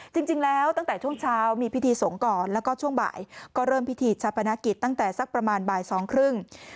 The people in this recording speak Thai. จริงแล้วตั้งแต่ช่วงเช้ามีพิธีสงฆ์ก่อนแล้วก็ช่วงบ่ายก็เริ่มพิธีชาปนกิจตั้งแต่สักประมาณบ่ายสองครึ่ง